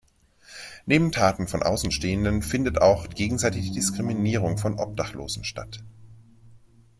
Neben Taten von Außenstehenden findet auch gegenseitige Diskriminierung von Obdachlosen statt.